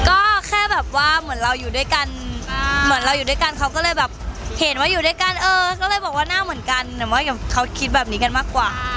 ก็แค่แบบว่าเหมือนเราอยู่ด้วยกันเขาก็เลยแบบเห็นว่าอยู่ด้วยกันก็เลยบอกว่าหน้าเหมือนกันเหมือนว่าเขาคิดแบบนี้กันมากกว่า